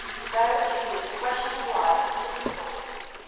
There it is a question of life, for the people.